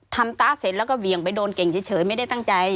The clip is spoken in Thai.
ตาร์ทเสร็จแล้วก็เหวี่ยงไปโดนเก่งเฉยไม่ได้ตั้งใจ